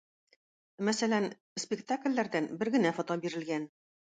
Мәсәлән, спектакльләрдән бер генә фото бирелгән.